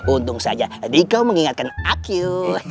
untung saja jadi kau mengingatkan aku